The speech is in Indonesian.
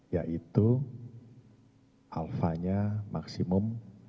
yaitu alfanya maksimum tiga